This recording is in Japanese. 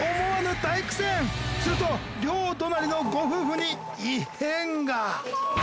すると両隣のご夫婦に異変が。